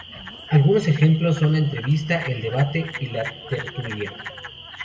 Algunos ejemplos son la entrevista, el debate y la tertulia.